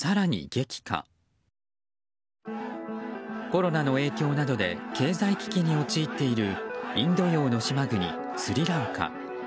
コロナの影響などで経済危機に陥っているインド洋の島国、スリランカ。